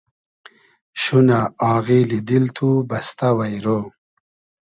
شونۂ آغیلی دیل تو بئستۂ وݷرۉ